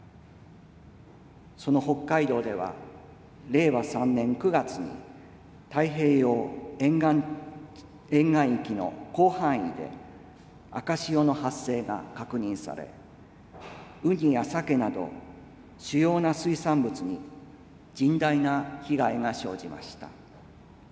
その北海道では、令和３年９月に、太平洋沿岸域の広範囲で赤潮の発生が確認され、ウニやサケなど主要な水産物に甚大な被害が生じました。